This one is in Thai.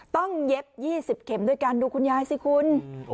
เย็บ๒๐เข็มด้วยกันดูคุณยายสิคุณ